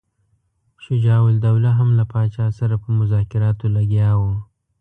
شجاع الدوله هم له پاچا سره په مذاکراتو لګیا وو.